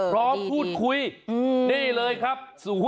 พร้อมพูดคุยนี่เลยครับ๐๖๔๖๓๙๐๗๕๐